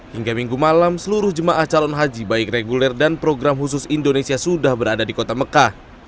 hingga minggu malam seluruh jemaah calon haji baik reguler dan program khusus indonesia sudah berada di kota mekah